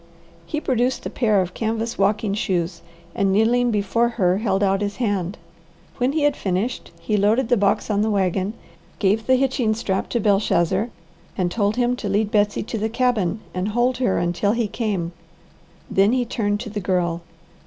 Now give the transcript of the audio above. He produced a pair of canvas walking shoes and kneeling before her held out his hand. When he had finished, he loaded the box on the wagon, gave the hitching strap to Belshazzar, and told him to lead Betsy to the cabin and hold her until he came. Then he turned to the Girl.